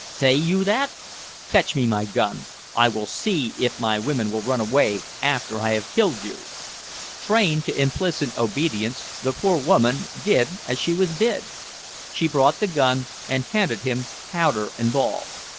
say you that! fetch me my gun. I will see if my women will run away after I have killed you." Trained to implicit obedience, the poor woman did as she was bid. She brought the gun and handed him powder and ball.